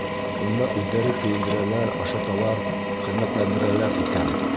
Унда үҙҙәре кейендерәләр, ашаталар, хеҙмәтләндерәләр икән.